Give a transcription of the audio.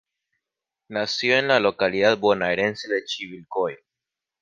Nació en la localidad bonaerense de Chivilcoy.